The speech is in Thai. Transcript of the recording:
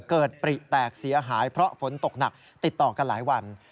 ปริแตกเสียหายเพราะฝนตกหนักติดต่อกันหลายวัน